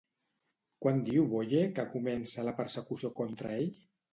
Quan diu Boye que comença la persecució contra ell?